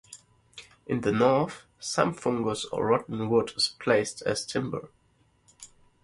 In the notch, some fungus or rotten wood is placed as timber.